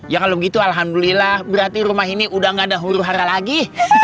ya kalau gitu alhamdulillah berarti rumah ini udah gak ada huru hara lagi